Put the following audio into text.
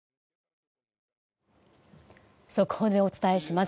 速報でお伝えします。